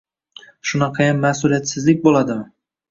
Shunaqayam mas'uliyatsizlik bo'ladimi